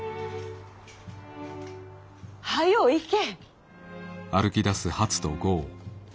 早う行け。